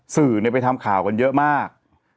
สื่อไปทำข่าวกันเยอะมาก